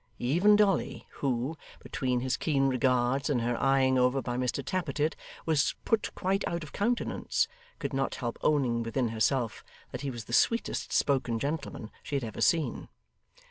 Even Dolly, who, between his keen regards and her eyeing over by Mr Tappertit, was put quite out of countenance, could not help owning within herself that he was the sweetest spoken gentleman she had ever seen.